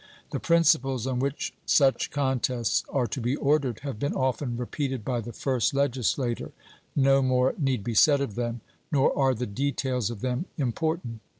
The principles on which such contests are to be ordered have been often repeated by the first legislator; no more need be said of them, nor are the details of them important.